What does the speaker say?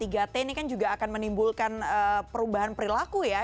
ini kan juga akan menimbulkan perubahan perilaku ya